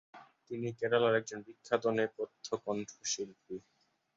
তিনি কেরালার একজন বিখ্যাত নেপথ্য কন্ঠশিল্পী।